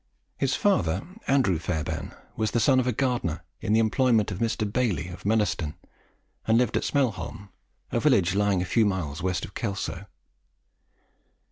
His father, Andrew Fairbairn, was the son of a gardener in the employment of Mr. Baillie of Mellerston, and lived at Smailholm, a village lying a few miles west of Kelso.